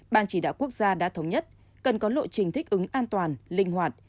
ban chỉ đạo quốc gia đã thống nhất cần có lộ trình thích ứng an toàn linh hoạt